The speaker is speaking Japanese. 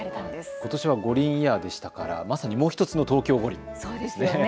ことしは五輪イヤーでしたからまさにもう１つの東京五輪ですね。